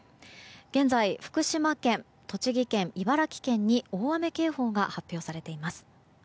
現在、福島県栃木県、茨城県に大雨警報が発表されています。